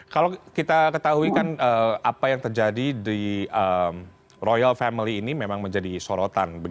kalau kita ketahui kan apa yang terjadi di royal family ini memang menjadi sorotan